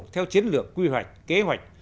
theo chiến lược quy hoạch kế hoạch